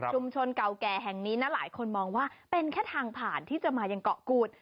เก่าแก่แห่งนี้นะหลายคนมองว่าเป็นแค่ทางผ่านที่จะมายังเกาะกูด